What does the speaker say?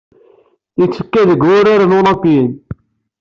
Yettekka deg Wuraren Ulimpiyen.